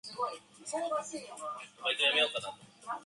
I've always wanted to make a movie about jealousy.